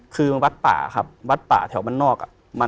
คือวัดป่าครับวัดป่าแถวบ้านนอก